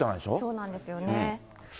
そうなんですよね。